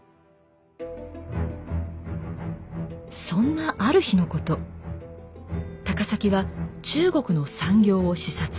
そんなある日のこと高碕は中国の産業を視察。